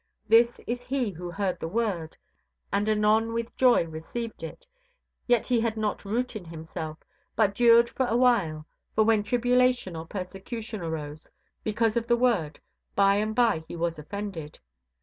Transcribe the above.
This is he who heard the word, and anon with joy received it. Yet had he not root in himself, but dured for a while; for when tribulation or persecution arose because of the word by and by he was offended.